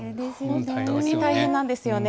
本当に大変ですよね。